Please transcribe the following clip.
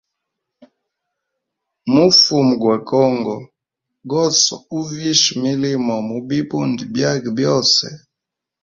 Mfumu gwa congo goswa uvisha milimo mu bibundi byage byose.